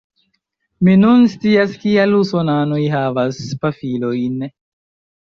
Mi nun scias kial usonanoj havas pafilojn